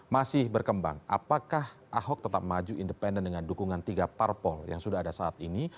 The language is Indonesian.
masih berkembang apakah ahok tetap maju independen dengan dukungan tiga parpol yang sudah ada saat ini